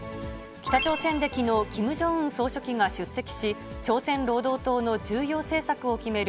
北朝鮮できのう、キム・ジョンウン総書記が出席し、朝鮮労働党の重要政策を決める